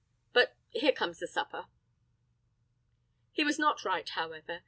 But here comes the supper." He was not right, however.